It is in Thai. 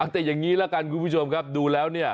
แต่อย่างนี้ละกันคุณผู้ชมครับดูแล้วเนี่ย